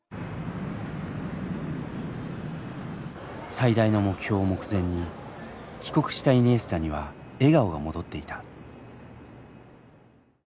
最大の目標を目前に帰国したイニエスタには笑顔が戻っていた。